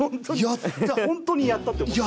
本当にやったって思ってる？